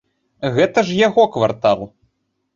Гэта ж яго квартал.